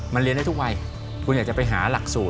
มันเรียนได้ทุกวัยคุณอยากจะไปหาหลักสูตร